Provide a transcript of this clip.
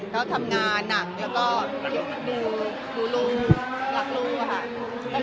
ก็ทำงานหนักแล้วก็ดูลูกรักลูกค่ะ